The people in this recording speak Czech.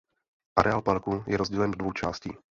Areál parku je rozdělen do dvou částí.